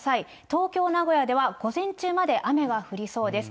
東京、名古屋では午前中まで雨が降りそうです。